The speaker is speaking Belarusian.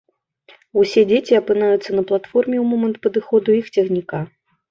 Усе дзеці апынаюцца на платформе ў момант падыходу іх цягніка.